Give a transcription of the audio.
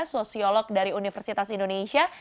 sosiolog dari universitas indonesia